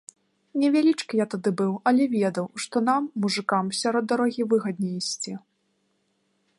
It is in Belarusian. Невялічкі я тады быў, але ведаў, што нам, мужыкам, сярод дарогі выгадней ісці.